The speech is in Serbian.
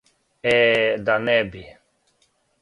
Е, да не би!